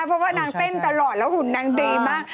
เพราะว่านางเต้นตลอดแล้วหุ่นนางดีมาก